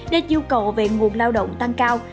để nhu cầu về nguồn lao động tăng cao